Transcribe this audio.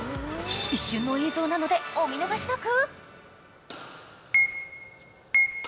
一瞬の映像なのでお見逃しなく。